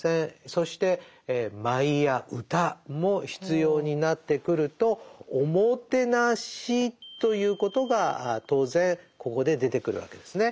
そして舞や歌も必要になってくるとおもてなしということが当然ここで出てくるわけですね。